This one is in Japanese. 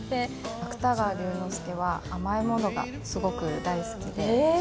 芥川龍之介は甘いものがすごく大好きで。